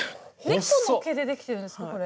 猫の毛でできてるんですかこれ。